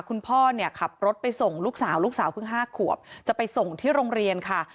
คุณพ่อเนี่ยขับรถไปส่งลูกสาวลูกสาวเพิ่ง๕ขวบจะไปส่งที่โรงเรียนค่ะ